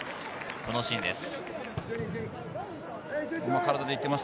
このシーンです。